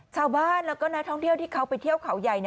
ชาวบ้านแล้วก็นักท่องเที่ยวที่เขาไปเที่ยวเขาใหญ่